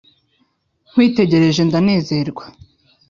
Nkwitegereje ndanezerwa